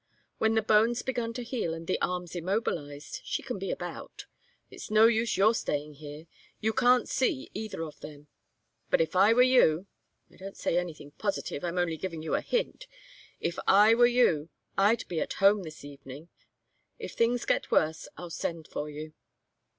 When the bone's begun to heal and the arm's immobilized, she can be about. It's no use your staying here. You can't see either of them. But if I were you I don't say anything positive, I'm only giving you a hint if I were you, I'd be at home this evening. If things get worse, I'll send for you."